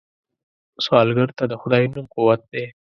سوالګر ته د خدای نوم قوت دی